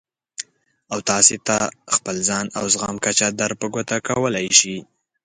او تاسې ته خپل ځان او د زغم کچه در په ګوته کولای شي.